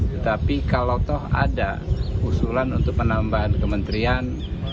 tetapi kalau toh ada usulan untuk penambahan kementerian